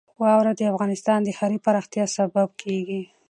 واوره د افغانستان د ښاري پراختیا سبب کېږي.